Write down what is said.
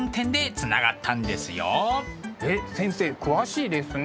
えっ先生詳しいですね。